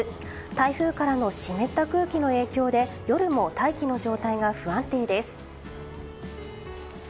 台風からの湿った空気の影響で夜も大気の状態が不安定です。